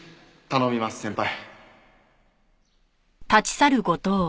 頼みます先輩。